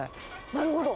なるほど。